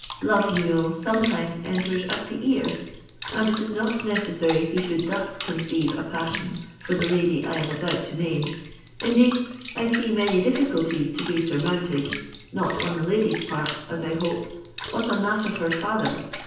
Love, you know, sometimes enters at the ear, and it is not necessary he should thus conceive a passion for the lady I am about to name. Indeed I see many difficulties to be surmounted, not on the lady's part, as I hope, but on that of her father.